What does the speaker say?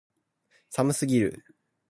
寒すぎる